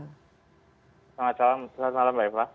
selamat malam mbak eva